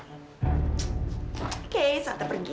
aku bisa pergi